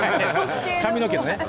髪の毛のね。